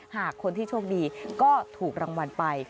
หากคนที่โชคดีก็ถูกรางวัลไป